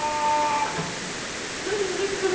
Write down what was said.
なにがでてくる？